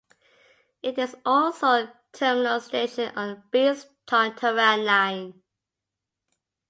It is also terminal station on Beas–Tarn Taran line.